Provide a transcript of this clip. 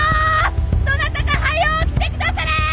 どなたか早う来てくだされ！